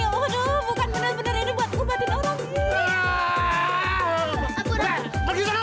aduh bukan bener bener ini buat obatin orang